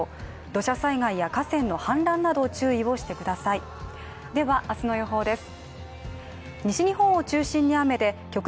土砂災害や河川の氾濫など注意をしてくださいではあすの予報です。